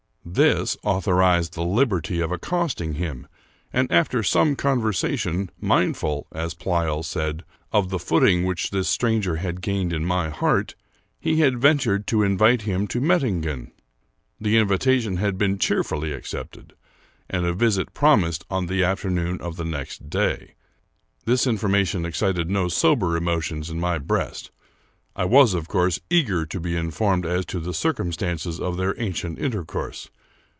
This authorized the liberty of accosting him, and after some conversation, mind ful, as Pleyel said, of the footing which this stranger had gained in my heart, he had ventured to invite him to Met tingen. The invitation had been cheerfully accepted, and a visit promised on the afternoon of the next day. This information excited no sober emotions in my breast. I was, of course, eager to be informed as to the circum stances of their ancient intercourse.